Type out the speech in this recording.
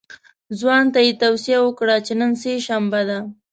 ځوان ته یې توصیه وکړه چې نن سه شنبه ده.